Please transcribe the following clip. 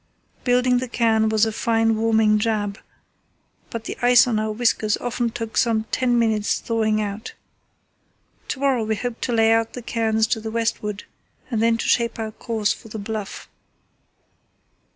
Building the cairn was a fine warming job, but the ice on our whiskers often took some ten minutes thawing out. To morrow we hope to lay out the cairns to the westward, and then to shape our course for the Bluff."